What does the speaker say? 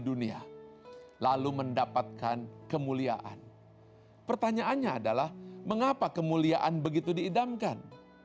dunia lalu mendapatkan kemuliaan pertanyaannya adalah mengapa kemuliaan begitu diidamkan